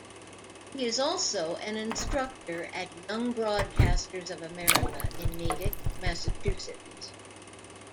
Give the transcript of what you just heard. He is also an instructor at Young Broadcasters of America in Natick, Massachusetts.